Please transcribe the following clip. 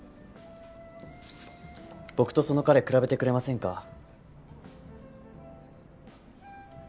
僕とその彼比べてくれませんか？